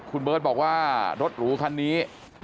คุณเบิร์ตบอกว่ารถหรูคันนี้